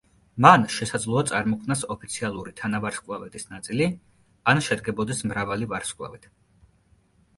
მან შესაძლოა წარმოქმნას ოფიციალური თანავარსკვლავედის ნაწილი ან შედგებოდეს მრავალი ვარსკვლავით.